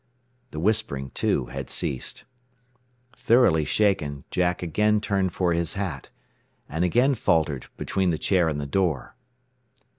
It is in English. The whispering, too, had ceased. Thoroughly shaken, Jack again turned for his hat and again faltered between the chair and the door.